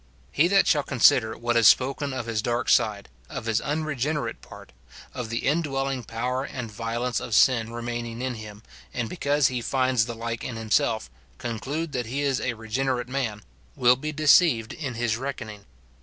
He that shall consider what is spoken of his dark side, of his unregenerate part, of the indwelling power and violence of sin remaining in him, and because he finds the like in himself, conclude that he is a regenerate man, will be deceived in his reckoning.